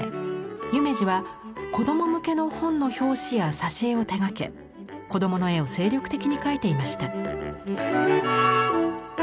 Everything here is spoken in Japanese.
夢二は子供向けの本の表紙や挿絵を手がけ子供の絵を精力的に描いていました。